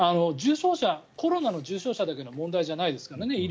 コロナの重症者だけの問題じゃないですからね